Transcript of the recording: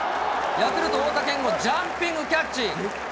ヤクルト、太田賢吾、ジャンピングキャッチ。